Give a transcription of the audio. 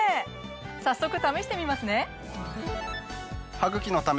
早速試してみますね。